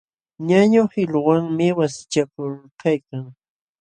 Ñañu qiluwanmi wasichakuykalkan.